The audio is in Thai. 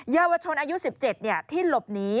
เยาวชนอายุ๑๗ที่หลบหนี